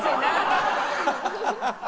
ハハハハ！